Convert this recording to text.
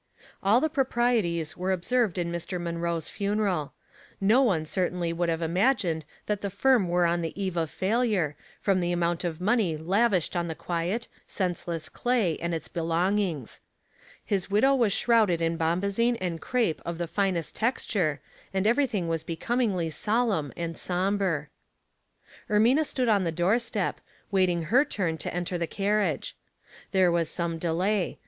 All the proprieties were observed in Mr. Mun roe's funeral. No one certainly would have imagined that the firm were on the eve of failure, from the amount of money lavished on the quiet, senseless clay and its belongings. His widow was shrouded in bombazine and crape of the dnest texture, and everything was becomingly solemn and sombre. 804 Household Puzzles, Ermina stood on the doorstep, waiting her turn to enter the carriage. There was some delay.